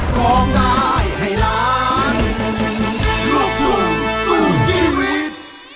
ก๊อปร้อง